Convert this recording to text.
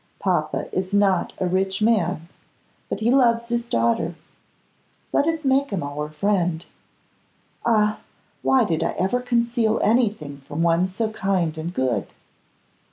Papa is not a rich man, but he loves his daughter. Let us make him our friend. Ah! why did I ever conceal anything from one so kind and good?